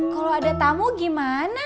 kalau ada tamu gimana